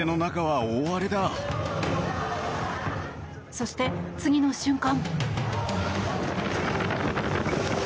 そして、次の瞬間。